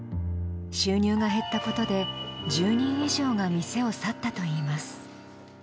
収入が減ったことで１０人以上が店を去ったといいます。